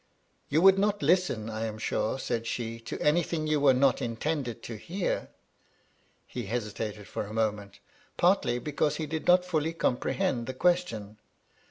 " You would not listen, I am sure," said she, " to anything you were not intended to hear ?" He hesitated for a moment, partly because he did not fully comprehend the question.